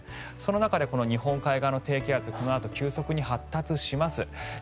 その中でこの日本海側の低気圧このあと急速に発達します。